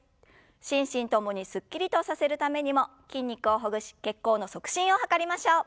心身共にすっきりとさせるためにも筋肉をほぐし血行の促進を図りましょう。